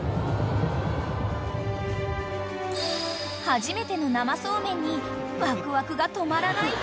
［初めての生そうめんにワクワクが止まらない様子］